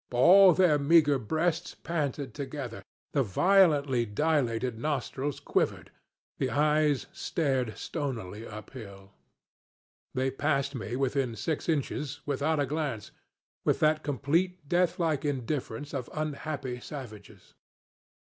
All their meager breasts panted together, the violently dilated nostrils quivered, the eyes stared stonily uphill. They passed me within six inches, without a glance, with that complete, deathlike indifference of unhappy savages.